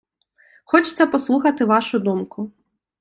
Хочеться послухати вашу думку.